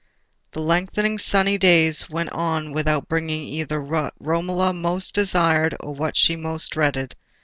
The lengthening sunny days went on without bringing either what Romola most desired or what she most dreaded.